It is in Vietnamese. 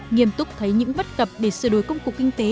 nghiêm túc thấy những bất cập để sửa đổi công cụ kinh tế